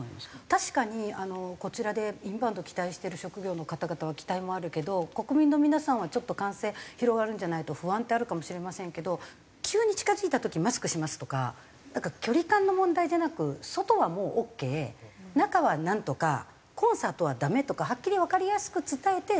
確かにこちらでインバウンドを期待している職業の方々は期待もあるけど国民の皆さんはちょっと感染広がるんじゃない？と不安ってあるかもしれませんけど急に近付いた時マスクしますとかなんか距離感の問題じゃなく外はもうオーケー中はナントカコンサートはダメとかはっきりわかりやすく伝えて。